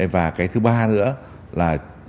và cái thứ ba nữa là